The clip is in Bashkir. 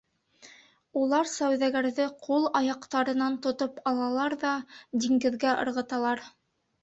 Улар сауҙагәрҙе ҡул-аяҡтарынан тотоп алалар ҙа диңгеҙгә ырғыталар.